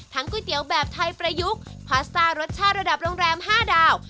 ก๋วยเตี๋ยวแบบไทยประยุกต์พาสต้ารสชาติระดับโรงแรม๕ดาว